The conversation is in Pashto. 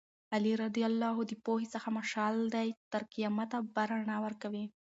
علي رض د پوهې هغه مشعل دی چې تر قیامته به رڼا ورکوي.